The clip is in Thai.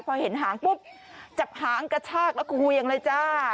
พอเห็นหางปุ๊บจับหางกระชากแล้วก็เวียงเลยจ้า